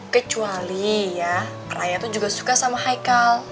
kecuali ya raya itu juga suka sama haikal